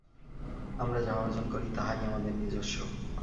আমরা যাহা অর্জন করি, তাহাই আমাদের নিজস্ব।